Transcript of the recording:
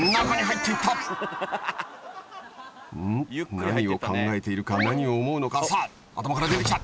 何を考えているか何を思うのかさあ頭から出てきた！